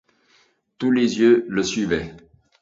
Tous les yeux le suivaient.